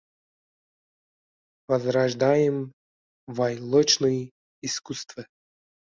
Vozrojdayem voylochnoye iskusstvo